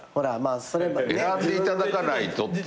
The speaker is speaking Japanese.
「選んでいただかないと」って。